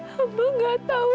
hamba gak tau